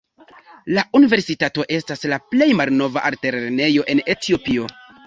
La universitato estas la plej malnova altlernejo en Etiopio.